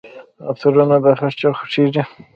عطرونه د هرچا خوښیږي.